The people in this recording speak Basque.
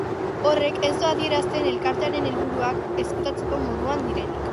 Horrek ez du adierazten elkartearen helburuak ezkutatzeko moduan direnik.